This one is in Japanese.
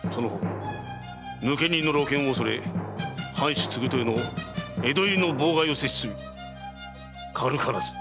抜け荷の露見を恐れ藩主・継豊の江戸入りの妨害をせし罪軽からず。